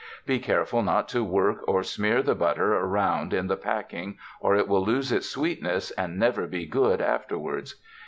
Be careful not to work or smear the butter around in the packing or it will lose its sweetness and never be good afterwards.